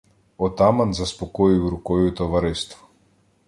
Отаман заспокоїв рукою товариство.